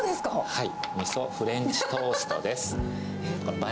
はい。